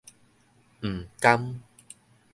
毋甘